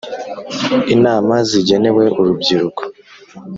Inama zigenewe urubyiruko